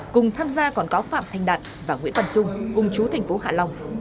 cùng tham gia còn có phạm thanh đạt và nguyễn văn trung cung chú tp hạ long